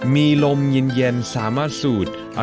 มีลมเย็นสามารถสูด